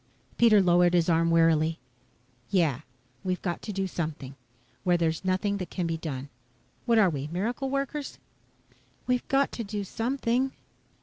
Pete lowered his arm wearily. "Yeah we've got to do something. Where there's nothing that can be done. What are we miracle workers?" "We've got to do something."